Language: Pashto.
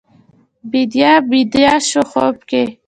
بیدیا بیده شوه خوب کې